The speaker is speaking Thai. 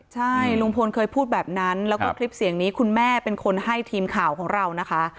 ใช่ลุงพลเคยพูดแบบนั้นแล้วก็คลิปเสียงนี้คุณแม่เป็นคนให้ทีมข่าวของเรานะคะ